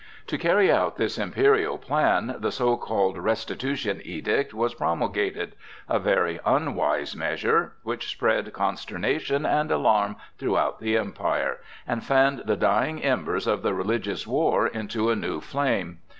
To carry out this imperial plan the so called Restitution Edict was promulgated,—a very unwise measure, which spread consternation and alarm throughout the Empire, and fanned the dying embers of the religious war into a new flame.